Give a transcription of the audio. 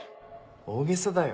大げさだよ